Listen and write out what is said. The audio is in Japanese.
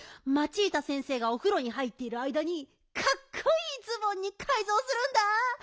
マチータ先生がおふろに入っているあいだにかっこいいズボンにかいぞうするんだ。